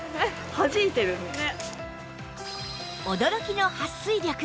驚きのはっ水力！